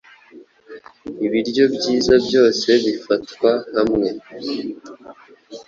Ibiryo byiza byose bifatwa hamwe